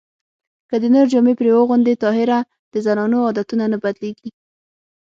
که د نر جامې پرې واغوندې طاهره د زنانو عادتونه نه بدلېږي